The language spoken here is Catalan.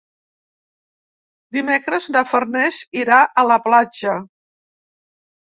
Dimecres na Farners irà a la platja.